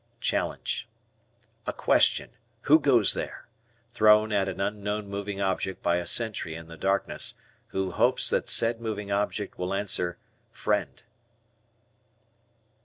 Challenge. A question, "Who goes there?" thrown at an unknown moving object by a sentry in the darkness, who hopes that said moving object will answer, "Friend."